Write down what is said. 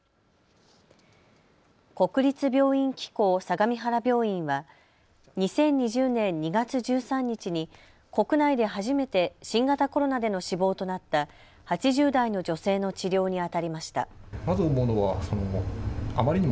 国立病院機構相模原病院は２０２０年２月１３日に国内で初めて新型コロナでの死亡となった８０代の女性の治療にあたりました。